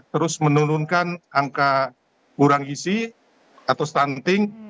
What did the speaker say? terus menurunkan angka kurang gisi atau stunting